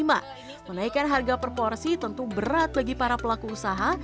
menaikkan harga per porsi tentu berat bagi para pelaku usaha